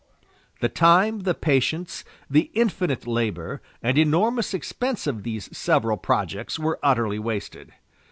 The time, the patience, the infinite labor, and enormous expense of these several projects were utterly wasted.